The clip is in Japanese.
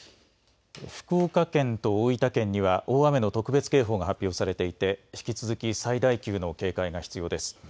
福岡県と大分県には大雨の特別警報が発表されていて引き続き最大級の警戒が必要です。